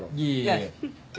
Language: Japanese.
いやいや。